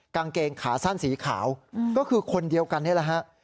กางเกงขาสั้นสีขาวก็คือคนเดียวกันนี่แหละฮะ